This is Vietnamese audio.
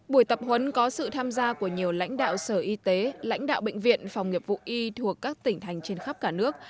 buổi tập huấn có sự tham gia của nhiều lãnh đạo sở y tế lãnh đạo bệnh viện phòng nghiệp vụ y thuộc các tỉnh thành trên khắp cả nước